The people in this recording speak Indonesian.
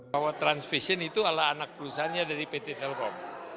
bahwa transvision itu ala anak perusahaannya dari pt telkom